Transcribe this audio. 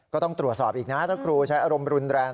ก็ต้องตรวจสอบอีกนะถ้าครูใช้อารมณ์รุนแรง